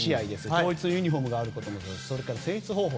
統一のユニホームがあるところとそれから選出方法